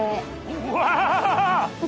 うわ！